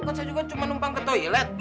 kan saya juga cuma numpang ke toilet